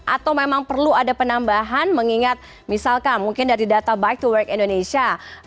atau memang perlu ada penambahan mengingat misalkan mungkin dari data bike to work indonesia